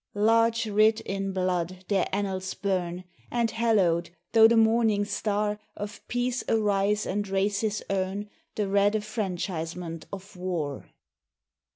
Large writ in blood their annals burn, And hallowed, tho' the morning star Of Peace arise and races earn The red affranchisement of War.